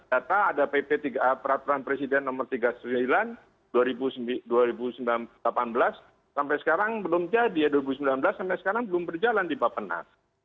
data ada pp peraturan presiden nomor tiga puluh sembilan dua ribu delapan belas sampai sekarang belum jadi ya dua ribu sembilan belas sampai sekarang belum berjalan di bapenas